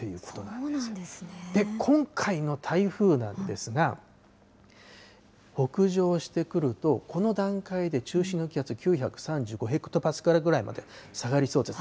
で、今回の台風なんですが、北上してくると、この段階で中心の気圧９３５ヘクトパスカルぐらいまで下がりそうです。